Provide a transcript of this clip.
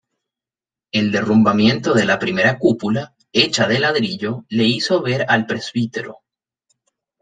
El derrumbamiento de la primera cúpula, hecha de ladrillo, le hizo ver al Pbro.